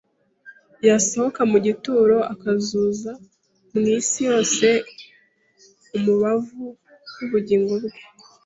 yasohoka mu gituro akuzuza mu isi yose umubavu w'ubugingo bwe